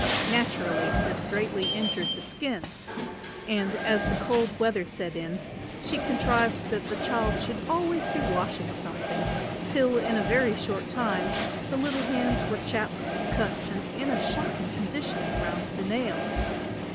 Naturally this greatly injured the skin, and as the cold weather set in, she contrived that the child should always be washing something, till in a very short time the little hands were chapped and cut and in a shocking condition round the nails.